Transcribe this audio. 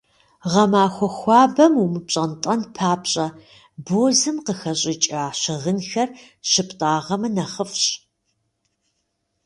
Гъэмахуэ хуабэм умыпщӏэнтӏэн папщӏэ, бозым къыхэщӏыкӏа щыгъынхэр щыптӏагъэмэ, нэхъыфӏщ.